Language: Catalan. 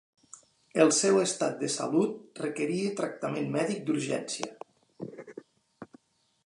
El seu estat de salut requeria tractament mèdic d’urgència.